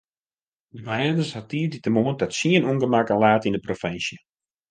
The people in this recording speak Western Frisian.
De glêdens hat tiissdeitemoarn ta tsien ûngemakken laat yn de provinsje.